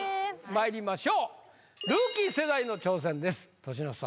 まいりましょうルーキー世代の挑戦です年の差